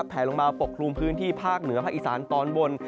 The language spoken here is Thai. แผลลงมาปกคลุมพื้นที่ภาคเหนือภาคอีสานตอนบน